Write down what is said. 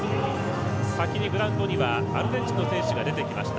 先にグラウンドにはアルゼンチンの選手が出てきました。